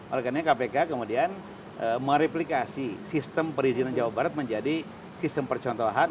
oleh karena kpk kemudian mereplikasi sistem perizinan jawa barat menjadi sistem percontohan